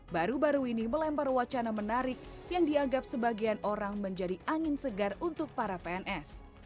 baru baru ini melempar wacana menarik yang dianggap sebagian orang menjadi angin segar untuk para pns